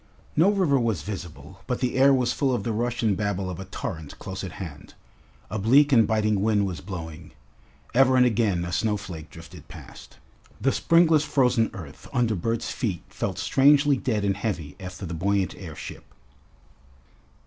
No river was visible, but the air was full of the rush and babble of a torrent close at hand. A bleak and biting wind was blowing. Ever and again a snowflake drifted past. The springless frozen earth under Bert's feet felt strangely dead and heavy after the buoyant airship.